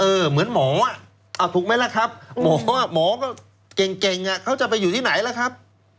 เหมือนหมอถูกไหมล่ะครับหมอหมอก็เก่งเขาจะไปอยู่ที่ไหนล่ะครับ